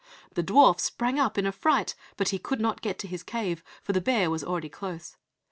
The dwarf sprang up in a fright, but he could not get to his cave, for the bear was already close.